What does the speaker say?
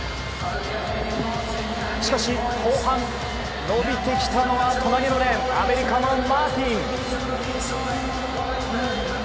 しかし、後半、伸びてきたのは隣のレーン、アメリカのマーティン。